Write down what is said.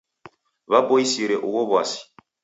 W'aboisire ugho w'asi.